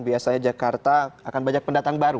biasanya jakarta akan banyak pendatang baru